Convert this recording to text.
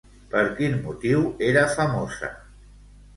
Per quin motiu era famosa?